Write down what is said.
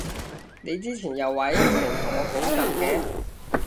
你之前又話應承同我補習嘅？